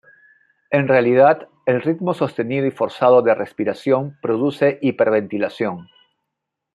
En realidad, el ritmo sostenido y forzado de respiración produce hiperventilación.